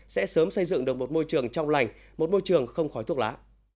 sẽ sớm xây dựng được một môi trường trong lành một môi trường không khói thuốc lá